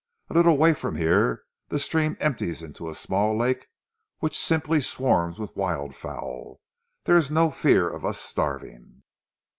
A little way from here the stream empties into a small lake which simply swarms with wild fowl. There is no fear of us starving!"